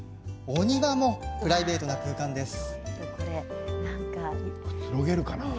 お庭も、プライベートな空間です。